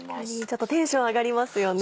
ちょっとテンション上がりますよね。